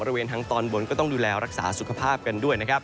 บริเวณทางตอนบนก็ต้องดูแลรักษาสุขภาพกันด้วยนะครับ